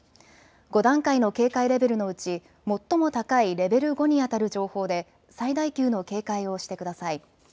５段階の警戒レベルのうち最も高いレベル５にあたる情報で最大級の警戒をしてください。